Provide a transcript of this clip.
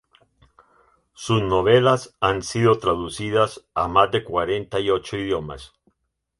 Sus novelas han sido traducidas a más de cuarenta y ocho idiomas.